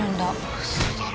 うそだろ。